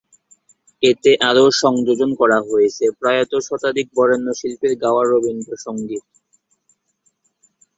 এতে আরো সংযোজন করা হয়েছে প্রয়াত শতাধিক বরেণ্য শিল্পীর গাওয়া রবীন্দ্রসংগীত।